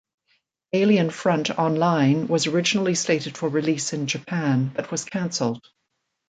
"Alien Front Online" was originally slated for release in Japan, but was cancelled.